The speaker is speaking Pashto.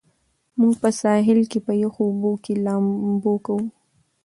موږ په ساحل کې په یخو اوبو کې لامبو کوو.